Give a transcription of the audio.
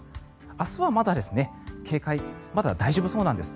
明日はまだ警戒、大丈夫そうなんです。